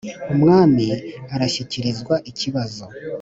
Umwami arashyikirizwa ikibazo